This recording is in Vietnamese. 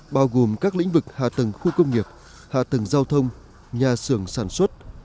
bao gồm các lĩnh vực hạ tầng khu công nghiệp hạ tầng giao thông nhà xưởng sản xuất